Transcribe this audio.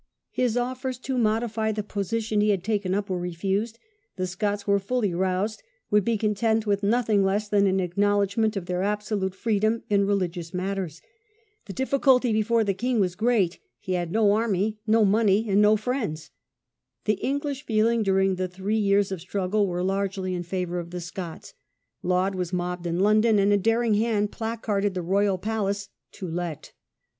His offers to modify the position he had taken up were what would refused; the Scots, now fully roused, would charics do? be content with nothing less than an acknowledgment of their absolute freedom in religious matters. The difficulty before the king was great. He had no army, no money, and no friends. The English feeling during the three years of struggle was largely in favour of the Scots. Laud was mobbed in London, and a daring hand placarded the Royal Palace "to let".